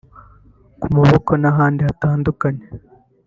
ku maboko n’ahandi hatandukanye